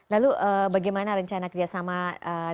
lalu bagaimana rencana kerjasama dengan kembali ke kb alami